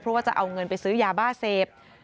เพราะว่าจะเอาเงินไปซื้อยาบ้าเสพ